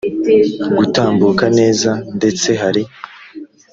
gutambuka neza ndetse hari